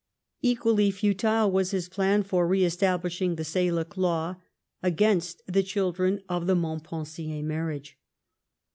'' Equally futile was his plan for re establishing the Salic law against the children of the Montpensier marriage.